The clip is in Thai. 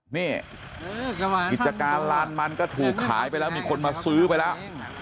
นี่กิจการลานมันก็ถูกขายไปแล้วมีคนมาซื้อไปแล้ว